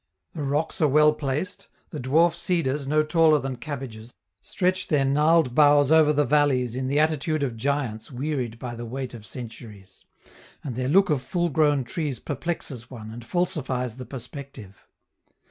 The rocks are well placed, the dwarf cedars, no taller than cabbages, stretch their gnarled boughs over the valleys in the attitude of giants wearied by the weight of centuries; and their look of full grown trees perplexes one and falsifies the perspective.